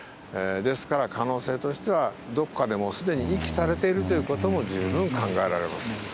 ですから、可能性としては、どこかでもうすでに遺棄されているということも十分考えられます。